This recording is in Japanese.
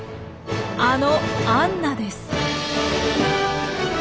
あのアンナです。